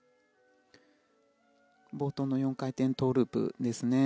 冒頭の４回転トウループですね。